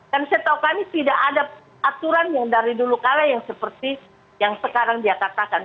karena saya tahu kami tidak ada aturan yang dari dulu kala yang seperti yang sekarang dikatakan